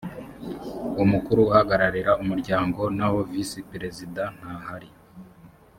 umukuru uhagararira umuryango naho visi perezida ntahari